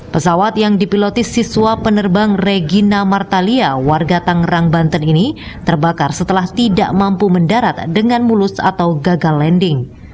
pesawat yang dipiloti siswa penerbang regina martalia warga tangerang banten ini terbakar setelah tidak mampu mendarat dengan mulus atau gagal landing